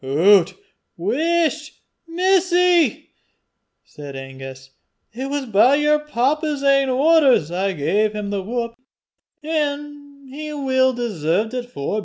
"Hoots! whisht, missie!" said Angus. "It was by yer papa's ain orders I gae him the whup, an' he weel deserved it forby.